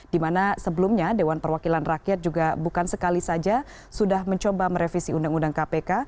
dimana sebelumnya dewan perwakilan rakyat juga bukan sekali saja sudah mencoba merevisi undang undang kpk